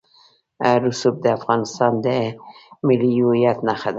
رسوب د افغانستان د ملي هویت نښه ده.